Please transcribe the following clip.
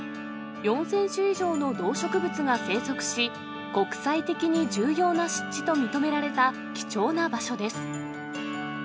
４０００種以上の動植物が生息し、国際的に重要な湿地と認められた、貴重な場所です。